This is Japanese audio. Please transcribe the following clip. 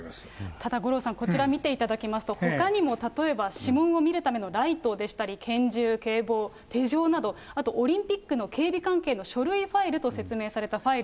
ただ五郎さん、こちら見ていただきますと、ほかにも例えば指紋を見るためのライトでしたり、拳銃、警棒、手錠など、あとオリンピックの警備関係の書類ファイルと説明されたファイル。